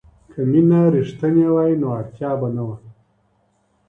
که مینه رښتینې وای نو اړتیا به نه وه.